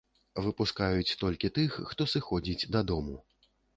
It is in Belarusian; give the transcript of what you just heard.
Выпускаюць толькі тых, хто сыходзіць дадому.